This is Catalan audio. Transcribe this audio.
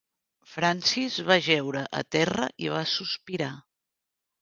Francis va jeure a terra i va sospirar.